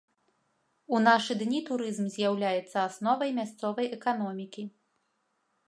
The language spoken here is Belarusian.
У нашы дні турызм з'яўляецца асновай мясцовай эканомікі.